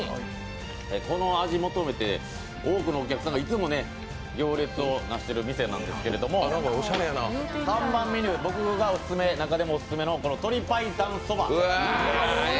この味求めて多くのお客さんがいつも行列をなしてる店なんですけども看板メニュー、僕が中でもオススメの鶏白湯Ｓｏｂａ。